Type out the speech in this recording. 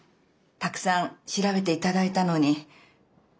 たくさん調べていただいたのに。